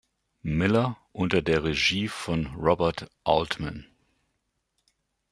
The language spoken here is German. Miller" unter der Regie von Robert Altman.